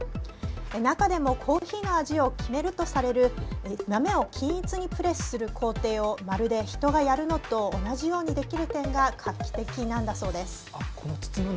中でもコーヒーの味を決めるとされる豆を均一にプレスする工程をまるで人がやるのと同じようにできる点があ、この筒の中。